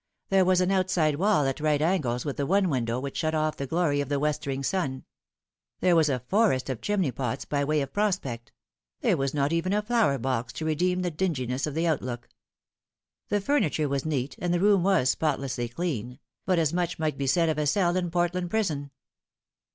There was an outside wall at right angles with the one window which shut off the glory of the westering sun. There was a forest of chimney pots by way of prospect. There was not even a flower box to redeem the dinginess of the outlook. The furniture was neat, and the room was spotlessly clean ; but as much might be said of a cell in Portland Prison.